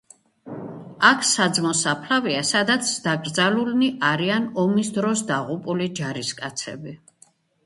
აქ საძმო საფლავია, სადაც დაკრძალულნი არიან ომის დროს დაღუპული ჯარისკაცები.